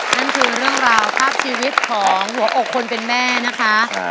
นั่นคือเรื่องราวภาพชีวิตของหัวอกคนเป็นแม่นะคะ